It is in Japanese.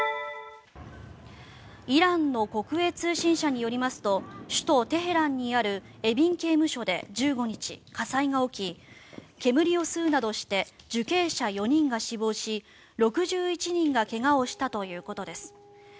イランの国営通信社によりますと首都テヘランにあるエビン刑務所で１５日火災が起き煙を吸うなどして受刑者４人が死亡し６１人が怪我をしたということです。